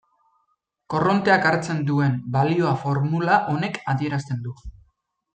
Korronteak hartzen duen balioa formula honek adierazten du.